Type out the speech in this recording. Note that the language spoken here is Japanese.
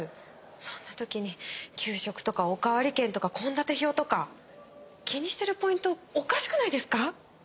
そんな時に給食とかおかわり券とか献立表とか気にしてるポイントおかしくないですか？